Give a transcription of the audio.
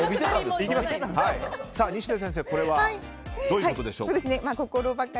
西出先生これはどういうことでしょうか。